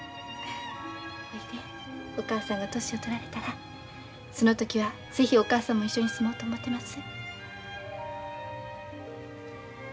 ほいでおかあさんが年を取られたらその時は是非おかあさんも一緒に住もうと思てます。